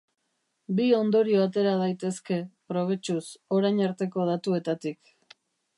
Bi ondorio atera daitezke, probetxuz, orain arteko datuetatik.